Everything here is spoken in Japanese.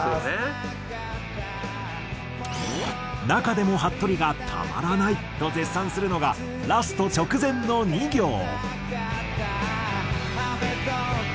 中でもはっとりが「たまらない！」と絶賛するのがラスト直前の２行。